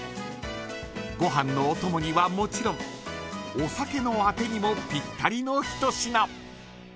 ご飯のお供にはもちろんお酒のあてにもぴったりの一品。